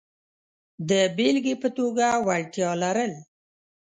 د بېلګې په توګه وړتیا لرل.